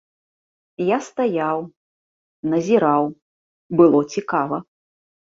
Я стаяў, назіраў, было цікава.